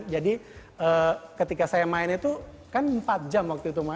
jadi ketika saya main itu kan empat jam waktu itu